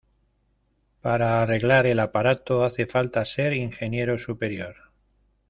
para arreglar el aparato hace falta ser ingeniero superior